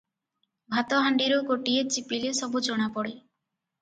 ଭାତହାଣ୍ତିରୁ ଗୋଟିଏ ଚିପିଲେ ସବୁ ଜଣାପଡ଼େ ।